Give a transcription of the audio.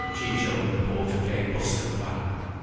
Ciccio and the porter came bustling back.